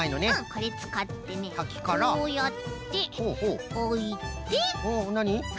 これつかってねこうやっておいてはい！